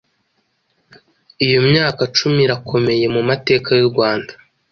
Iyo myaka cumi irakomeye mu mateka y'u Rwanda.